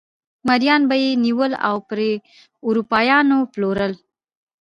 مریان به یې نیول او پر اروپایانو پلورل.